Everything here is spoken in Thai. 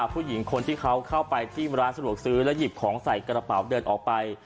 ผู้หญิงคนที่เขาเข้าไปที่ร้านสะดวกซื้อแล้วหยิบของใส่กระเป๋าเดินออกไป